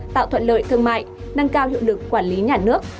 tạo thuận lợi thương mại nâng cao hiệu lực quản lý nhà nước